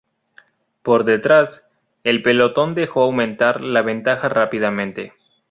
Por detrás, el pelotón dejó aumentar la ventaja rápidamente.